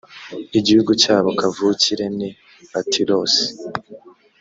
igihugu cyabo kavukire ni patirosi